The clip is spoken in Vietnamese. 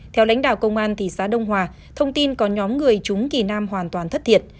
theo lãnh đạo công an thị xã đông hòa thông tin có nhóm người chúng thì nam hoàn toàn thất thiệt